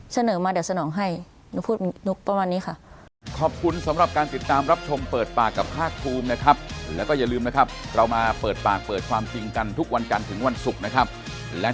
เสนอมาเดี๋ยวสนองให้หนูพูดหนูประมาณนี้ค่ะ